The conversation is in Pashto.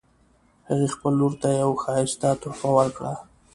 هغې خپل لور ته یوه ښایسته تحفه ورکړه